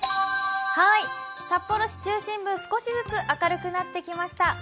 札幌市中心部、少しずつ明るくなってきました。